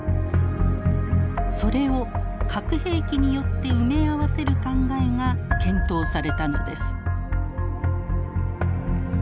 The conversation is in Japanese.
それを核兵器によって埋め合わせる考えが検討されたのです。